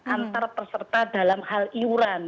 antar peserta dalam hal iuran